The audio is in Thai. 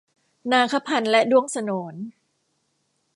นาคพันธุ์และด้วงโสน